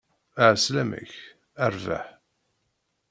Ɛeslama-k, a rrbeḥ!